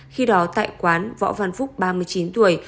khi đó tại quán võ văn phúc ba mươi chín tuổi